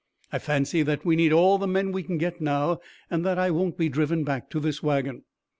I fancy that we need all the men we can get now, and that I won't be driven back to this wagon."